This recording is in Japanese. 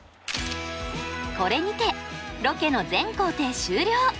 これにてロケの全行程終了。